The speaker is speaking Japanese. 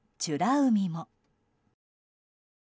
海も。